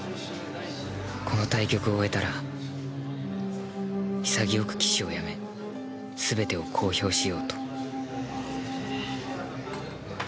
この対局を終えたら潔く棋士を辞め全てを公表しようと。